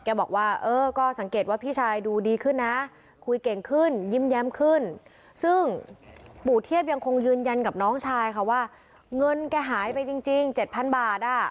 บอกว่าเออก็สังเกตว่าพี่ชายดูดีขึ้นนะคุยเก่งขึ้นยิ้มแย้มขึ้นซึ่งปู่เทียบยังคงยืนยันกับน้องชายค่ะว่าเงินแกหายไปจริง๗๐๐บาท